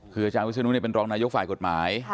คืออาจารย์วิศนุเป็นรองนายกฝ่ายกฎหมาย